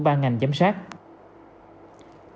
và tạo điều kiện đi cách ly tập trung